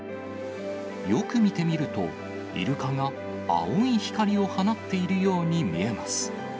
よく見てみると、イルカが青い光を放っているように見えます。